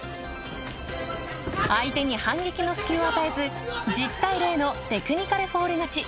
相手に反撃の隙を与えず１０対０のテクニカルフォール勝ち。